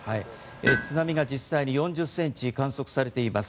津波が実際に４０センチ観測されています。